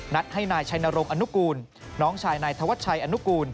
ให้นายชัยนรงค์อนุกูลน้องชายนายธวัชชัยอนุกูล